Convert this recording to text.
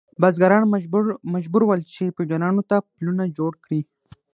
بزګران مجبور ول چې فیوډالانو ته پلونه جوړ کړي.